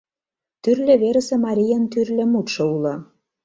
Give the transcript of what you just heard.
Тӱрлӧ верысе марийын тӱрлӧ мутшо уло.